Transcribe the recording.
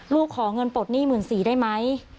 ลูกขอเงินปลดหนี้หมื่นสี่ได้ไหม